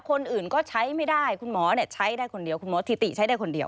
คนอื่นก็ใช้ไม่ได้คุณหมอใช้ได้คนเดียว